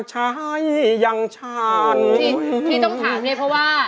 ที่ต้องถามนี่เพราะว่า